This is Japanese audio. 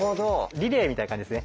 リレーみたいな感じですね。